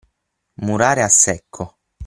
Murare a secco.